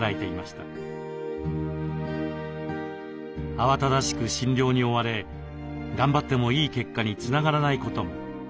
慌ただしく診療に追われ頑張ってもいい結果につながらないことも。